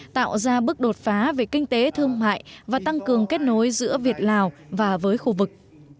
tạo ra bước đột phá về kinh tế thương mại và tăng cường kết nối giữa việt lào và với khu vực